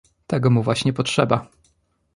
"tego mu właśnie potrzeba!"